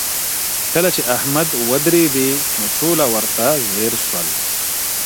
کله چي احمد ودرېدی، نو ټوله ورته ځیر سول.